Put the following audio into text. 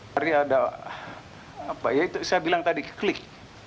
tadi ada apa ya itu saya bilang tadi klik